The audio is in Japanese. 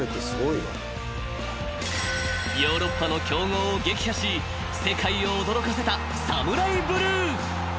［ヨーロッパの強豪を撃破し世界を驚かせたＳＡＭＵＲＡＩＢＬＵＥ］